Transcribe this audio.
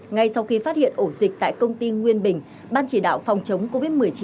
ngay sau khi phát hiện ổ dịch tại công ty nguyên bình ban chỉ đạo phòng chống covid một mươi chín